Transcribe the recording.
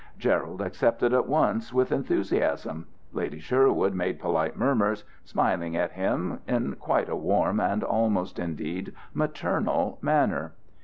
Gerald accepted at once, with enthusiasm; Lady Sherwood made polite murmurs, smiling at him in quite a warm and almost, indeed, maternal manner.